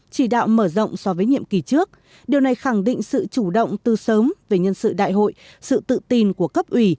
chỉ đạo mở rộng so với nhiệm kỳ trước điều này khẳng định sự chủ động từ sớm về nhân sự đại hội sự tự tin của cấp ủy